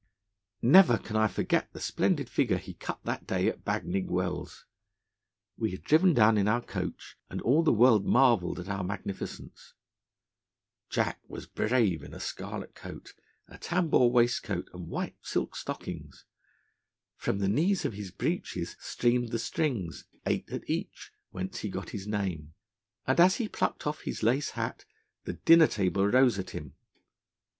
'Never can I forget the splendid figure he cut that day at Bagnigge Wells. We had driven down in our coach, and all the world marvelled at our magnificence. Jack was brave in a scarlet coat, a tambour waistcoat, and white silk stockings. From the knees of his breeches streamed the strings (eight at each), whence he got his name, and as he plucked off his lace hat the dinner table rose at him.